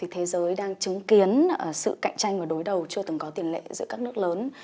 thế giới đang chứng kiến sự cạnh tranh và đối đầu chưa từng có tiền lệ giữa các nước lớn